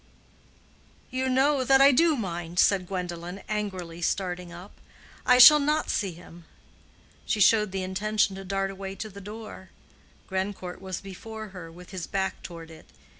"You know that I do mind," said Gwendolen, angrily, starting up. "I shall not see him." She showed the intention to dart away to the door. Grandcourt was before her, with his back toward it.